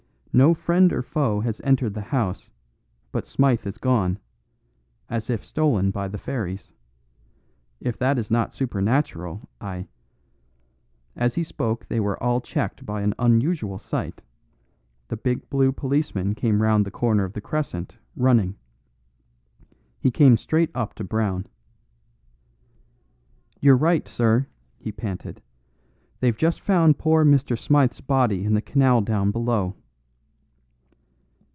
No friend or foe has entered the house, but Smythe is gone, as if stolen by the fairies. If that is not supernatural, I " As he spoke they were all checked by an unusual sight; the big blue policeman came round the corner of the crescent, running. He came straight up to Brown. "You're right, sir," he panted, "they've just found poor Mr. Smythe's body in the canal down below."